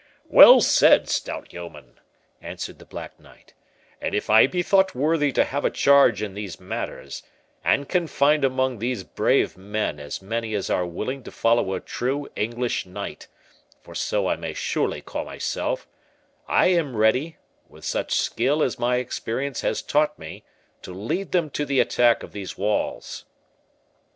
"Well said, stout yeoman," answered the Black Knight; "and if I be thought worthy to have a charge in these matters, and can find among these brave men as many as are willing to follow a true English knight, for so I may surely call myself, I am ready, with such skill as my experience has taught me, to lead them to the attack of these walls."